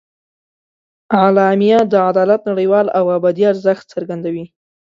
اعلامیه د عدالت نړیوال او ابدي ارزښت څرګندوي.